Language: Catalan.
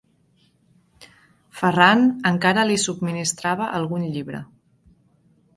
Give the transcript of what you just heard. Ferran encara li subministrava algun llibre.